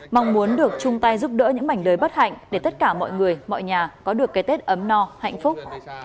mong muốn được chung tay giúp đỡ những mảnh đời bất hạnh để tất cả mọi người mọi nhà có được cái tết ấm no hạnh phúc